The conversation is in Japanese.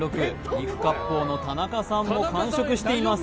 肉割烹の田中さんも完食しています